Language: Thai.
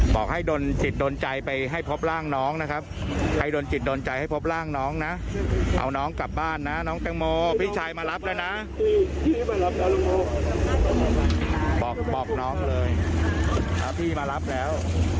บอกน้องเลยพี่มารับแล้ว